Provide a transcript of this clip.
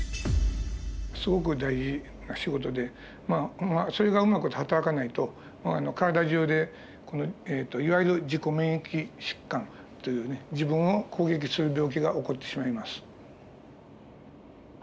すごく大事な仕事でまあそれがうまくはたらかないと体中でいわゆる自己免疫疾患というね自分を攻撃する病気が起こってしまいます。